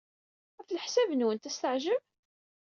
Ɣef leḥsab-nwent, ad as-teɛjeb?